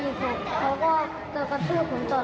ผมก็นานเยอะเพราะว่าที่ตอนตั้ง